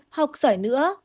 học giỏi nữa